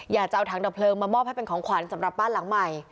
อยากจะเอาถังดับเพลิงมามอบให้เป็นของขวัญสำหรับบ้านหลังใหม่